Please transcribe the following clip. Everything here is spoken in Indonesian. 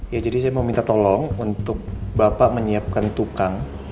ya jadi saya mau minta tolong untuk bapak menyiapkan tukang